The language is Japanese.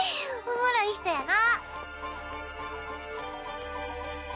おもろい人やな。